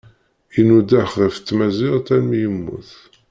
Inuḍeḥ ɣef tmaziɣt almi yemmut.